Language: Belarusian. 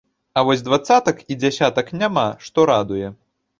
А вось дваццатак і дзясятак няма, што радуе.